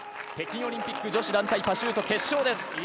北京オリンピック女子団体パシュート決勝です。